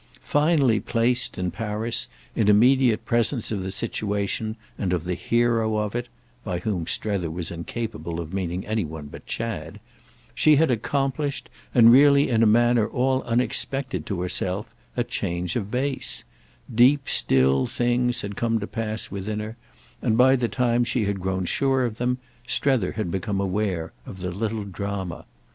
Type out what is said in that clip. Finally placed, in Paris, in immediate presence of the situation and of the hero of it—by whom Strether was incapable of meaning any one but Chad—she had accomplished, and really in a manner all unexpected to herself, a change of base; deep still things had come to pass within her, and by the time she had grown sure of them Strether had become aware of the little drama.